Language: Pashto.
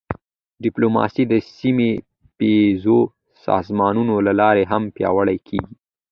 ډیپلوماسي د سیمهییزو سازمانونو له لارې هم پیاوړې کېږي.